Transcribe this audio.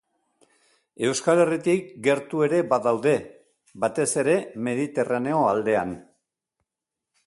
Euskal Herritik gertu ere badaude, batez ere Mediterraneo aldean.